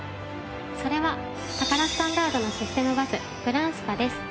それはタカラスタンダードのシステムバスＧＲＡＮＳＰＡです。